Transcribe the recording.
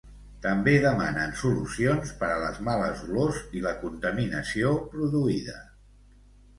També demanen solucions per a les males olors i la contaminació produïda.